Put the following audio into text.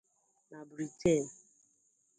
na Briten.